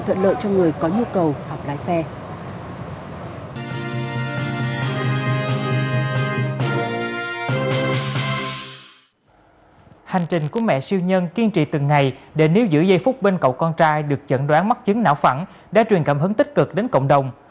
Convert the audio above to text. hành trình của mẹ siêu nhân kiên trì từng ngày để nếu giữ giây phút bên cậu con trai được chẩn đoán mắc chứng não phẳng đã truyền cảm hứng tích cực đến cộng đồng